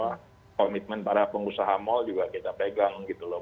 dan makanya komitmen para pengusaha mal juga kita pegang gitu loh